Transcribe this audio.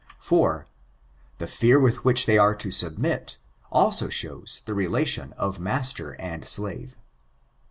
4. The fear with which they are to submit, also shews the relation of master and slave.